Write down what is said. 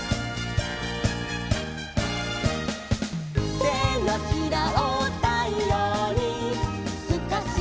「てのひらをたいようにすかしてみれば」